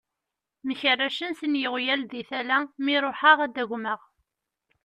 Mkerracen sin yeɣyal di tala mi ṛuḥeɣ ad ad d-agmeɣ.